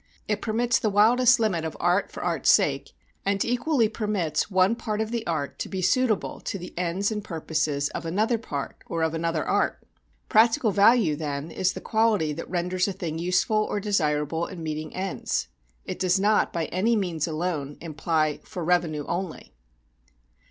It permits the wildest limit of "art for art's sake"; and equally permits one part of the "art" to be suitable to the ends and purposes of another part or of another "art." Practical value, then, is the quality that renders a thing useful or desirable in meeting ends. It does not by any means alone imply "for revenue only."